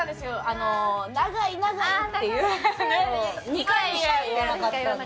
２回しか言ってなかったんで。